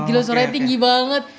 gila suaranya tinggi banget